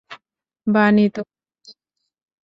বানি, তোকে যেতে হবে!